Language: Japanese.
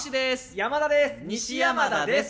山田です。